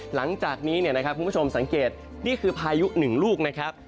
หลังจากนี้นะครับคุณผู้ชมสังเกตนี่คือพายุหนึ่งลูกนะครับ